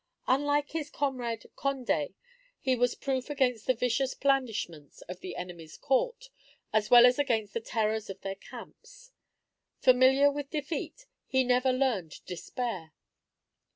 Unlike his comrade Condé, he was proof against the vicious blandishments of the enemy's court, as well as against the terrors of their camps. Familiar with defeat, he never learned despair.